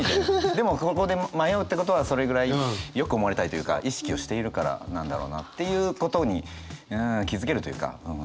でもここで迷うってことはそれぐらいよく思われたいっていうか意識をしているからなんだろうなっていうことにん気付けるというかうん。